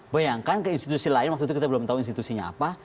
bayangkan ke institusi lain waktu itu kita belum tahu institusinya apa